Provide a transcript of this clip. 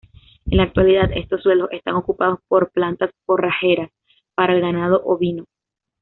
En la actualidad, estos suelos están ocupados por plantas forrajeras para el ganado ovino.